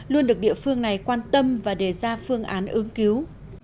luôn được địa phương này quan tâm và đề ra phương án ứng cứu